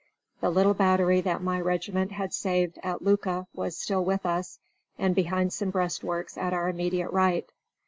The little battery that my regiment had saved at Iuka was still with us and behind some breastworks at our immediate right.